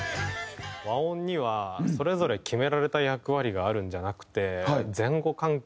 和音にはそれぞれ決められた役割があるんじゃなくて。